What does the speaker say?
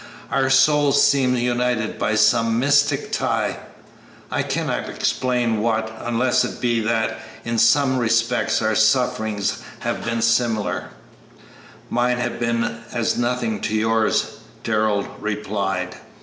"Our souls seem united by some mystic tie I cannot explain what, unless it be that in some respects our sufferings have been similar." "Mine have been as nothing to yours," Darrell replied.